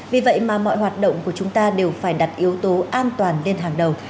vì vậy mà mọi hoạt động của chúng ta đều phải đặt yếu tố an toàn lên hàng đầu